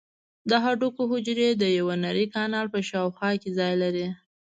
د هډوکو حجرې د یو نري کانال په شاوخوا کې ځای لري.